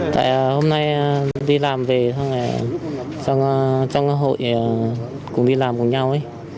tại hôm nay đi làm về trong hội cùng đi làm cùng nhau